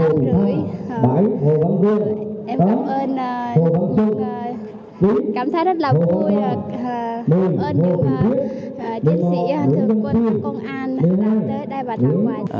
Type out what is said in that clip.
em cảm ơn cảm thấy rất là vui cảm ơn những chiến sĩ thường quân công an đã đến đây bà thăm quà